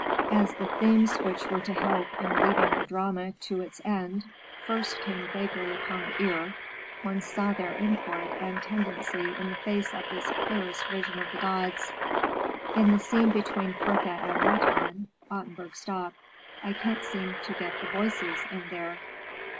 As the themes which were to help in weaving the drama to its end first came vaguely upon the ear, one saw their import and tendency in the face of this clearest visioned of the gods. In the scene between Fricka and Wotan, Ottenburg stopped. "I can't seem to get the voices, in there."